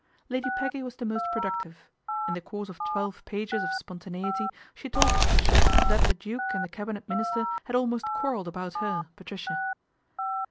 Lady Peggy was the most productive. In the course of twelve pages of spontaneity she told Patricia that the Duke and the Cabinet Minister had almost quarrelled about her, Patricia.